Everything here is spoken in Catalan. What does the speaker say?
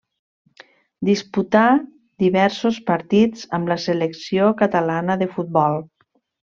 Disputà diversos partits amb la selecció catalana de futbol.